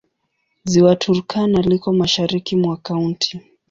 Ziwa Turkana liko mashariki mwa kaunti.